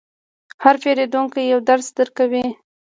هر پیرودونکی یو درس درکوي.